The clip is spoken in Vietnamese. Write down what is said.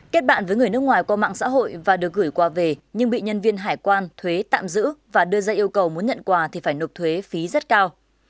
kết bạn với người nước ngoài qua mạng xã hội và được gửi quà về nhưng bị nhân viên hải quan thuế tạm giữ và đưa ra yêu cầu muốn nhận quà thì phải nộp thuế phí rất cao